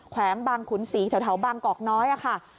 แขวงบางขุนศรีแถวบางกอกน้อยค่ะ